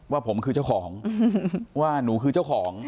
ว่าผมคือเจ้าของว่าหนูคือเจ้าของ